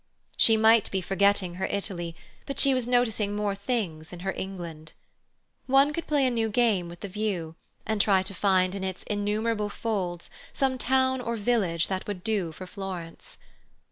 She might be forgetting her Italy, but she was noticing more things in her England. One could play a new game with the view, and try to find in its innumerable folds some town or village that would do for Florence.